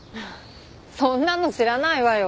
そんなの知らないわよ。